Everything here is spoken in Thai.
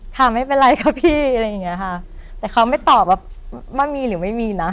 ถามไม่เป็นไรค่ะพี่อะไรอย่างเงี้ยค่ะแต่เขาไม่ตอบว่ามีหรือไม่มีนะ